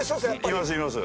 います、います。